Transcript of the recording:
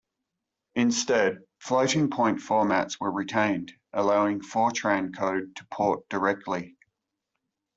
Instead, floating point formats were retained, allowing Fortran code to port directly.